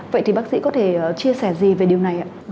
vậy thì bác sĩ có thể chia sẻ gì về điều này ạ